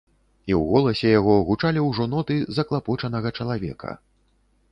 І ў голасе яго гучалі ўжо ноты заклапочанага чалавека.